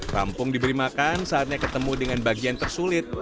rampung diberi makan saatnya ketemu dengan bagian tersulit